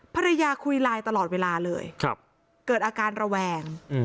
ภรรยาคุยลายตลอดเวลาเลยครับเกิดอาการระแวงอืม